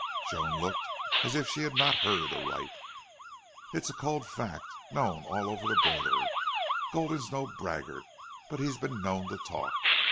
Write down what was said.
Joan looked as if she had not heard aright. "It's a cold fact. Known all over the border. Gulden's no braggart. But he's been known to talk.